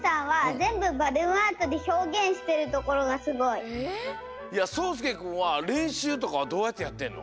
松本まさよしさんはいやそうすけくんはれんしゅうとかはどうやってやってんの？